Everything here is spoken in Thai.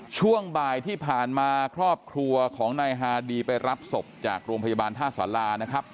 ช่วงบ่ายที่ผ่านมาครอบครัวของนายฮาดีไปรับศพจากโรงพยาบาลท่าสารานะครับ